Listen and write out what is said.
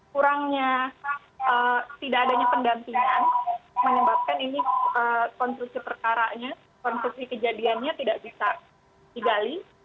kurangnya tidak adanya pendampingan menyebabkan ini konstruksi perkaranya konstruksi kejadiannya tidak bisa digali